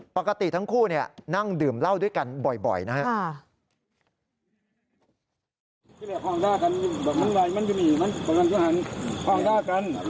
ปกติทั้งคู่นั่งดื่มเหล้าด้วยกันบ่อยนะครับ